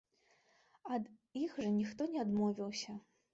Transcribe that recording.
Ад іх жа ніхто не адмовіўся.